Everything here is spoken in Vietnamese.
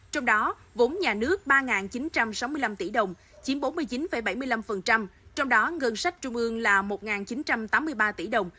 trong đó vốn nhà nước ba chín trăm sáu mươi năm tỷ đồng chiếm bốn mươi chín bảy mươi năm trong đó ngân sách trung ương là một chín trăm tám mươi ba tỷ đồng